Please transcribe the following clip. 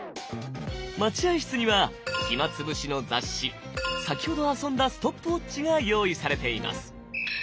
待合室には暇潰しの雑誌先ほど遊んだストップウォッチが用意されています。